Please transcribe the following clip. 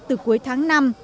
từ cuối tháng năm